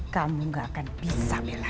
kamu gak akan bisa bela